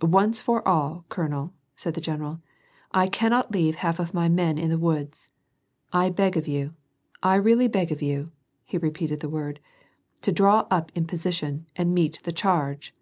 "Once for all, colonel,'* said the general, '' I cannot leave half of my men in the woods. I beg of you, I really beg of you," he repeated the word, "to draw up in position, and meet the charge."